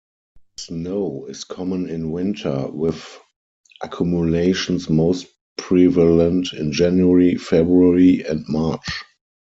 Snow is common in winter, with accumulations most prevalent in January, February, and March.